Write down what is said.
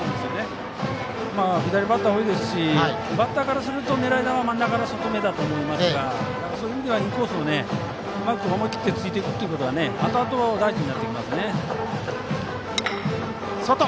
左バッター多いですしバッターからすると狙い球は真ん中から外めだと思いますがそういう意味ではインコースをうまく思い切って突いていくのはあとあと大事になってきますね。